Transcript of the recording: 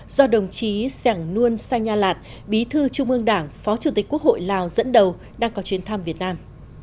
do đồng chí sẻng nuôn sai nha lạt bí thư trung ương đảng phó chủ tịch quốc hội lào dẫn đầu đang có chuyến thăm việt nam